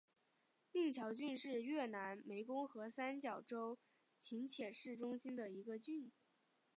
宁桥郡是越南湄公河三角洲芹苴市中心的一个郡。